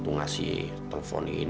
ini apa sih namanya